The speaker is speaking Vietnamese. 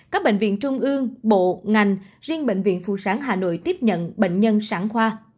các bệnh viện trung ương bộ ngành riêng bệnh viện phụ sản hà nội tiếp nhận bệnh nhân sản khoa